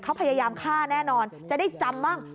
เขาพยายามฆ่าแน่นอนจะได้จำบ้าง